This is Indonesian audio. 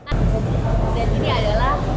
dan ini adalah